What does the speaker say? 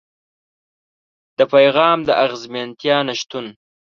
د پيغام د اغېزمنتيا نشتون.